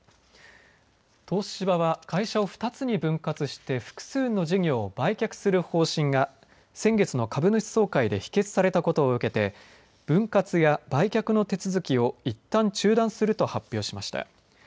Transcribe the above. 東芝は会社を２つに分割して複数の事業を売却する方針が先月の株主総会で否決されたことを受けて分割や売却の手続きをいったん中断すると発表しました。